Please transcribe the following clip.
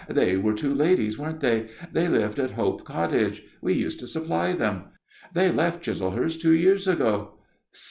"They were two ladies, weren't they? They lived at Hope Cottage. We used to supply them. They left Chislehurst two years ago."